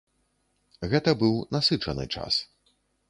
Гэта быў насычаны час.